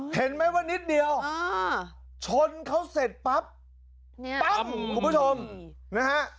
เห็นไหมว่านิดเดียวชนเขาเสร็จปั๊บปั๊บคุณผู้ชมนะฮะ